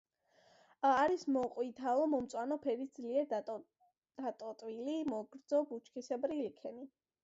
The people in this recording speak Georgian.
არის მოყვითალო-მომწვანო ფერის ძლიერ დატოტვილი მოგრძო ბუჩქისებრი ლიქენი.